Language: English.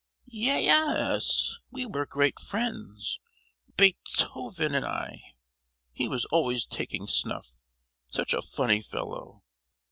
"Ye—yes, we were great friends, Beet—hoven and I; he was always taking snuff—such a funny fellow!"